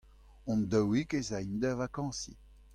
Hon-daouik ez aimp da vakañsiñ.